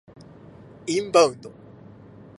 インバウンド